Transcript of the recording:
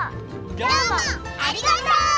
どうもありがとう！